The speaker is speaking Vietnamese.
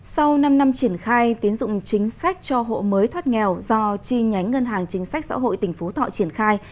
sau năm năm triển khai tiến dụng chính sách cho hộ mới thoát nghèo do chi nhánh ngân hàng chính sách xã hội tỉnh phú thọ triển khai